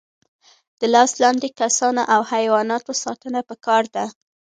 د لاس لاندې کسانو او حیواناتو ساتنه پکار ده.